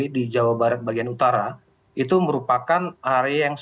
di jawa barat bagian utara itu merupakan hari yang